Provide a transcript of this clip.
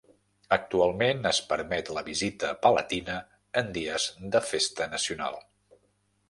Actualment es permet la visita palatina en dies de festa nacional.